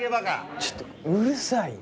ちょっとうるさいよ。